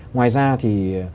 ngoài ra thì